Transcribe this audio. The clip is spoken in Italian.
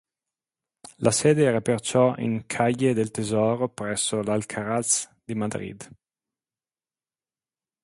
La sede era perciò in Calle del Tesoro presso l'Alcázar di Madrid.